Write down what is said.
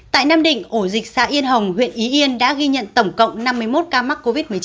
tại nam định ổ dịch xã yên hồng huyện ý yên đã ghi nhận tổng cộng năm mươi một ca mắc covid một mươi chín